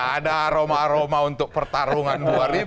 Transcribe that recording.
ada aroma aroma untuk pertarungan dua ribu dua puluh